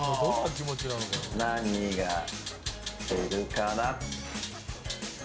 何が出るかな？